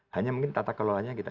hanya mungkin tata kelolanya gitu